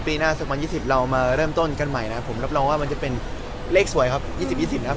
ปีหน้า๒๐๒๐เรามาเริ่มต้นกันใหม่นะครับผมรับรองว่ามันจะเป็นเลขสวยครับ๒๐๒๐นะครับ